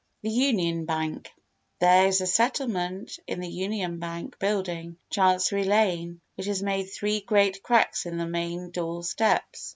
The Union Bank There is a settlement in the Union Bank building, Chancery Lane, which has made three large cracks in the main door steps.